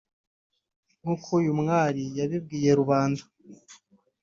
nkuko uyu mwari yabibwiye rubanda